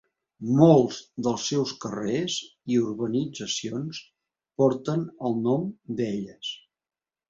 Molts dels seus carrers i urbanitzacions porten el nom d'elles.